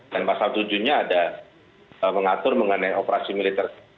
dan pasal tujunya ada mengatur mengenai operasi militer